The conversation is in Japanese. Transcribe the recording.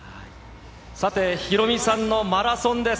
さて、ヒロミさんのマラソンです。